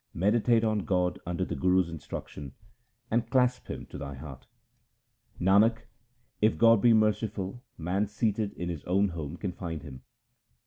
Meditate on God under the Guru's instruction, and clasp Him to thy heart. HYMNS OF GURU AMAR DAS 233 Nanak, if God be merciful, man seated in his own home can find Him.